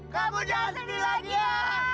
kamu jangan sedih lagi ya